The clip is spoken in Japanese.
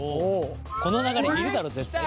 この流れいるだろ絶対。